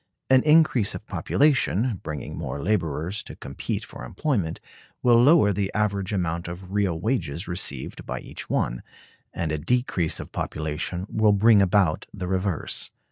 An increase of population, bringing more laborers to compete for employment, will lower the average amount of real wages received by each one; and a decrease of population will bring about the reverse.